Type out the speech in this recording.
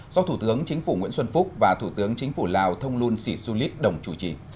do thủ tướng chính phủ nguyễn xuân phúc và thủ tướng chính phủ lào thông luân sĩ xu lít đồng chủ trì